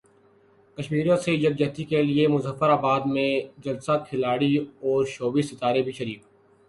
کشمیریوں سے یکجہتی کیلئے مظفر اباد میں جلسہ کھلاڑی اور شوبز ستارے بھی شریک